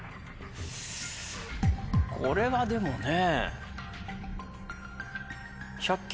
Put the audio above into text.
これはでもね。